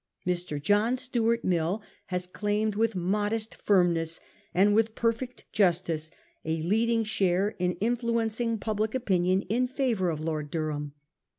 Mr. John Stuart Mill has claimed with modest firmness and with perfect justice a leading share in influencing public opinion in favour of Lord Dur ham.